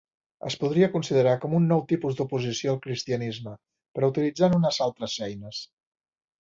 Es podria considerar com un nou tipus d'oposició al cristianisme, però utilitzant unes altres eines.